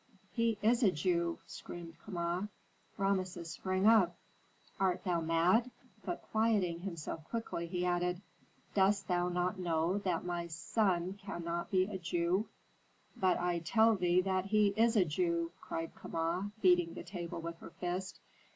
"He is a Jew!" screamed Kama. Rameses sprang up. "Art thou mad?" but quieting himself quickly, he added, "Dost thou not know that my son cannot be a Jew " "But I tell thee that he is a Jew!" cried Kama, beating the table with her fist.